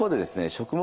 食物